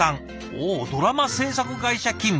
おおドラマ制作会社勤務。